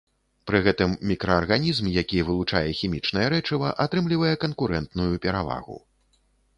Пры гэтым мікраарганізм, які вылучае хімічнае рэчыва, атрымлівае канкурэнтную перавагу.